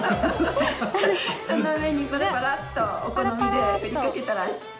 その上にパラパラっとお好みで振りかけたら完成です。